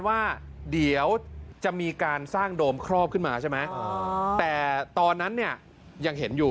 ว่าเดี๋ยวจะมีการสร้างโดมครอบขึ้นมาใช่ไหมแต่ตอนนั้นเนี่ยยังเห็นอยู่